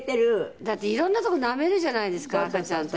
だっていろんなとこなめるじゃないですか赤ちゃんって。